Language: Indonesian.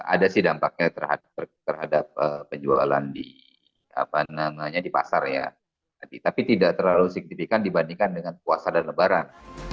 ada sih dampaknya terhadap penjualan di pasar ya tapi tidak terlalu signifikan dibandingkan dengan puasa dan lebaran